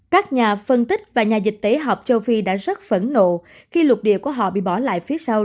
các nhà phân tích và nhà dịch tế họp châu phi đã rất phẫn nộ khi lục địa của họ bị bỏ lại phía sau